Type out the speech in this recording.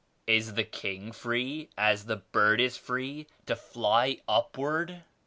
Is the king free as the bird is free to fly upward?